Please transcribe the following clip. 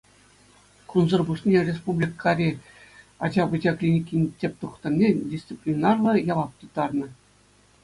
Кунсӑр пуҫне Республикари ача-пӑча клиникин тӗп тухтӑрне дисциплинарлӑ явап тыттарнӑ.